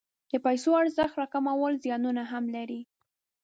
د پیسو ارزښت راکمول زیانونه هم لري.